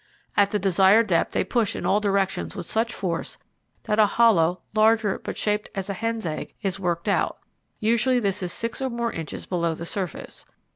At the desired depth they push in all directions with such force that a hollow larger, but shaped as a hen's egg, is worked out; usually this is six or more inches below the surface.